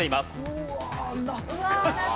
うわあ懐かしい。